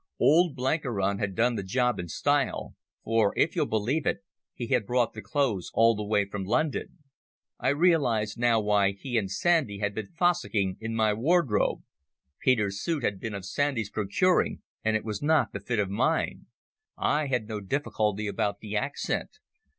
Old Blenkiron had done the job in style, for, if you'll believe it, he had brought the clothes all the way from London. I realized now why he and Sandy had been fossicking in my wardrobe. Peter's suit had been of Sandy's procuring, and it was not the fit of mine. I had no difficulty about the accent.